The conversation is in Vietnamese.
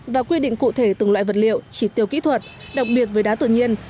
và quy định cụ thể từng loại vật liệu chỉ tiêu kỹ thuật đặc biệt với đá tự nhiên